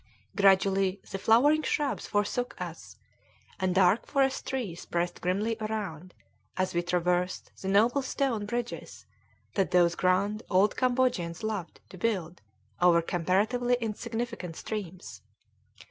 Gradually the flowering shrubs forsook us, and dark forest trees pressed grimly around, as we traversed the noble stone bridges that those grand old Cambodians loved to build over comparatively insignificant streams.